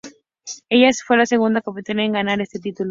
Ella fue la segunda capitalina en ganar este título.